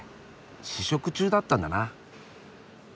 試食中だったんだな。